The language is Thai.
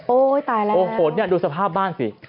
โอ้ยตายแล้วโอ้โหดเนี่ยดูสภาพบ้านสิ